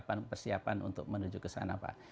sedang dilakukan persiapan untuk menuju ke sana pak